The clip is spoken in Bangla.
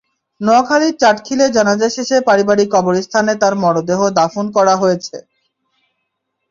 নোয়াখালীর চাটখিলে জানাজা শেষে পারিবারিক কবরস্থানে তাঁর মরদেহ দাফন করা হয়েছে।